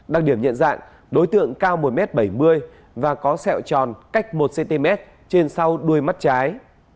đặc điểm nhận dạng đối tượng cao một m bảy mươi và có sẹo tròn cách một cm trên sau đuôi mắt trái